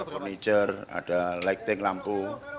furniture ada lighting lampu